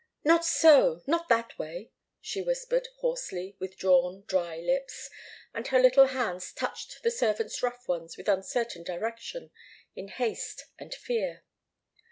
"Not so! Not that way!" she whispered, hoarsely, with drawn, dry lips, and her little hands touched the servant's rough ones with uncertain direction, in haste and fear.